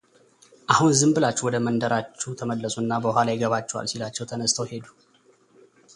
አሁን ዝም ብላችሁ ወደ መንደራችሁ ተመለሱና በኋላ ይገባችኋል ሲላቸው ተነስተው ሄዱ፡፡